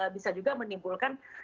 bisa juga menimbulkan